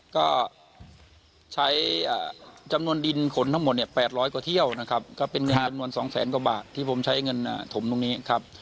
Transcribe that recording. ก็ใช้จำนวนดินขนทั้งหมดเนี่ย๘๐๐กว่าเที่ยวนะครับก็เป็นเงินจำนวน๒แสนกว่าบาทที่ผมใช้เงินถมตรงนี้ครับ